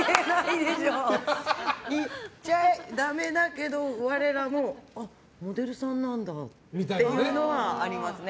言っちゃダメだけど、我らもあ、モデルさんなんだっていうのはありますね。